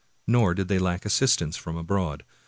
Nor did they lack assistance from abroad.